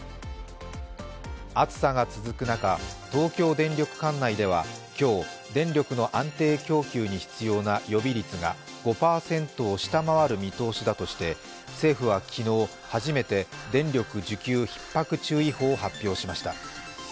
暑さが続く中、東京電力管内では今日、電力の安定供給に必要な予備率が５％を下回る見通しだとして政府は昨日、初めて電力需給ひっ迫注意報を発表しました。